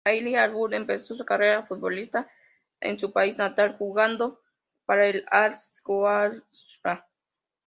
Haidar Abdul-Amir empezó su carrera futbolística en su país natal, jugando para el Al-Zawraa.